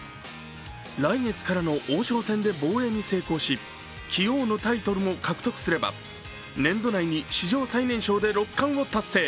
来月からの王将戦で防衛に成功し、棋王のタイトルも獲得すれば年度内に史上最年少で六冠を達成。